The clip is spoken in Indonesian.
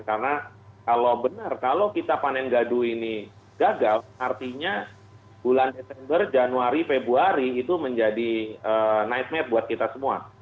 karena kalau benar kalau kita panen gadu ini gagal artinya bulan desember januari februari itu menjadi nightmare buat kita semua